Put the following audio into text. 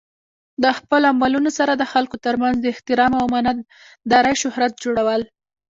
د خپلو عملونو سره د خلکو ترمنځ د احترام او امانت دارۍ شهرت جوړول.